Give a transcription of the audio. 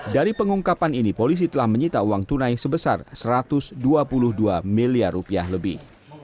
dari pengungkapan ini polisi telah menyita uang tunai sebesar satu ratus dua puluh dua miliar rupiah lebih